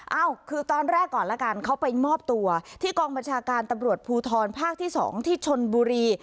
เอ้าคือตอนแรกก่อนละกันเขาไปมอบตัวที่กองบัญชาการตำรวจภูทรภาคที่๒ที่ชนบุรี